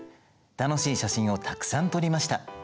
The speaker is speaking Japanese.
楽しい写真をたくさん撮りました。